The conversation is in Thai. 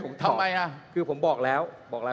คุณเขตรัฐพยายามจะบอกว่าโอ้เลิกพูดเถอะประชาธิปไตย